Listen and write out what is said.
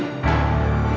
boleh ya nek